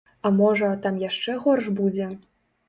А можа, там яшчэ горш будзе?